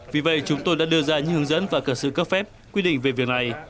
vì vậy chúng tôi đã đưa ra những hướng dẫn và cả sự cấp phép quy định về việc này